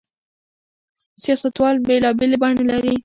سياستوال بېلابېلې بڼې لري.